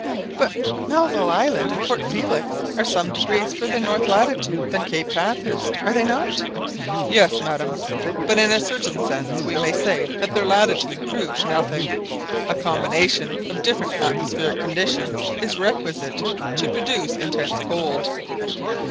"But Melville Island and Port Felix are some degrees farther north latitude than Cape Bathurst, are they not?" "Yes, madam, but in a certain sense we may say that their latitude proves nothing. A combination of different atmospheric conditions is requisite to produce intense cold.